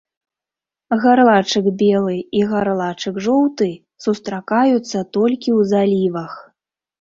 Гарлачык белы і гарлачык жоўты сустракаюцца толькі ў залівах.